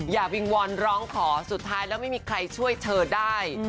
วิงวอนร้องขอสุดท้ายแล้วไม่มีใครช่วยเธอได้